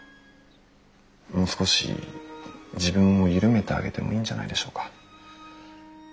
もう少し自分を緩めてあげてもいいんじゃないでしょうか？